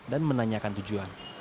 dan menanyakan tujuan